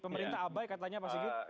pemerintah abai katanya pak sigit